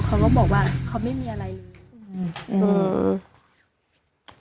เขาก็บอกว่าเขาไม่มีอะไรเลยอืม